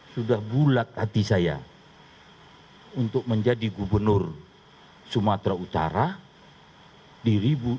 sudah bulat hati saya untuk menjadi gubernur sumatera utara di dua ribu dua puluh